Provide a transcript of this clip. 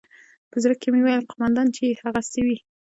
په زړه کښې مې وويل قومندان چې يې هغسې وي.